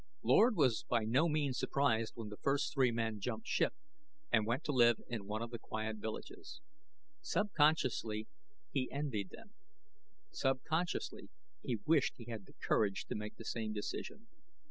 Lord was by no means surprised when the first three men jumped ship and went to live in one of the quiet villages. Subconsciously he envied them; subconsciously he wished he had the courage to make the same decision.